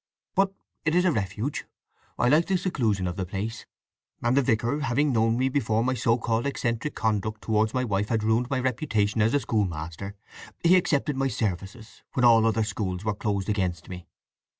But it is a refuge. I like the seclusion of the place, and the vicar having known me before my so called eccentric conduct towards my wife had ruined my reputation as a schoolmaster, he accepted my services when all other schools were closed against me.